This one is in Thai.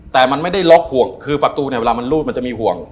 แต่มันไม่ได้ล็อกห่วงคือประตูเนี่ยเวลามันรูดมันจะมีห่วง